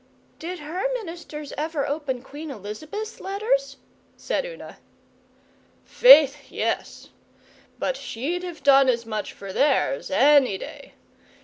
'Did her ministers ever open Queen Elizabeth's letters?' said Una. 'Faith, yes! But she'd have done as much for theirs, any day.